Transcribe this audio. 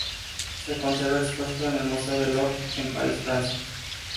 Se conserva expuesto en el Museo del Louvre en París, Francia.